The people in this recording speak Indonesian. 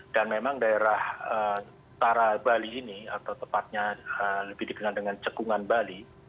dan memang daerah utara bali ini atau tepatnya lebih dikenal dengan cekungan bali